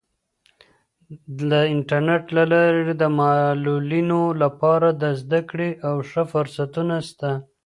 د انټرنیټ له لارې د معلولینو لپاره د زده کړې او ښه فرصتونه سته.